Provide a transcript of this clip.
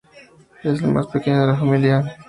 Es el más pequeño de la familia.